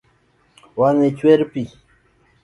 Wang’e chwer pi